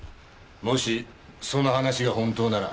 もしその話が本当なら。